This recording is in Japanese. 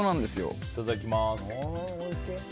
いただきます。